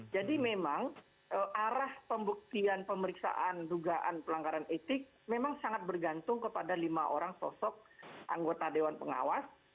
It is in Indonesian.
jadi memang arah pembuktian pemeriksaan dugaan pelanggaran etik memang sangat bergantung kepada lima orang sosok anggota dewan pengawas